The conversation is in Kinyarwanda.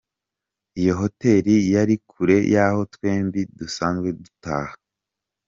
Iyo hoteli yari kure y’aho twembi dusanzwe dutaha.